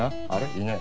いない。